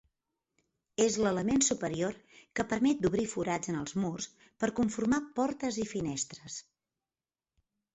És l'element superior que permet d'obrir forats en els murs per conformar portes i finestres.